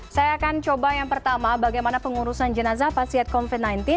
saya akan coba yang pertama bagaimana pengurusan jenazah pasien covid sembilan belas